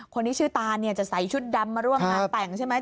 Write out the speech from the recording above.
คนที่ชื่อตานเนี่ยจะใส่ชุดดำมาร่วมงานแต่งใช่ไหม